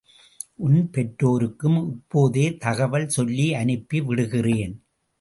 உன் பெற்றோருக்கும் இப்போதே தகவல் சொல்லியனுப்பி விடுகிறேன்.